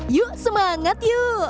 yuk semangat yuk